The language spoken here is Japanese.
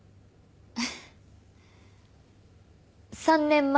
３年前。